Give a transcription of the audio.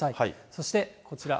そして、こちら。